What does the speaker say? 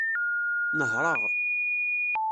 Nehṛeɣ.